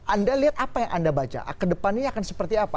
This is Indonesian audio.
anda lihat apa yang anda baca ke depannya akan seperti apa